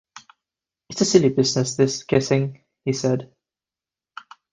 “It’s a silly business, this kissing,” he said.